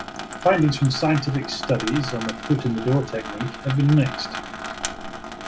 The findings from scientific studies on the foot-in-the-door technique have been mixed.